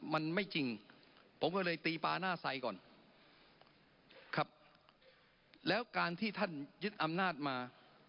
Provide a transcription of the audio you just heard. มันไม่จริงผมก็เลยตีปลาหน้าใส่ก่อนครับแล้วการที่ท่านยึดอำนาจมา